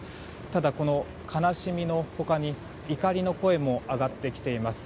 ただ、悲しみの他に怒りの声も上がってきています。